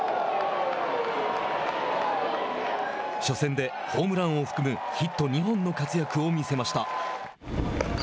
初戦でホームランを含むヒット２本の活躍を見せました。